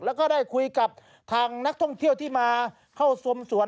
แล้วก็ได้คุยกับทางนักท่องเที่ยวที่มาเข้าชมสวน